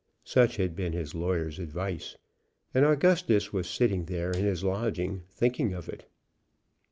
Such had been his lawyer's advice, and Augustus was sitting there in his lodging thinking of it.